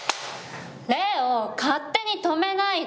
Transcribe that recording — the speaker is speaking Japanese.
礼央勝手に止めないで。